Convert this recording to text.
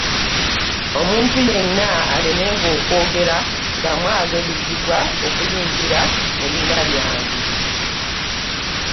Omuntu yenna alemenga okwogera nga mwabarizibwa okuyingira mu linnya lyange.